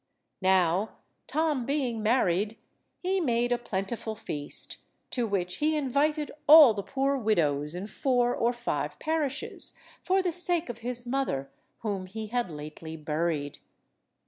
Now, Tom being married, he made a plentiful feast, to which he invited all the poor widows in four or five parishes, for the sake of his mother, whom he had lately buried.